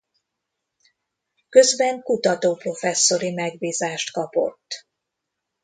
Közben kutatóprofesszori megbízást kapott.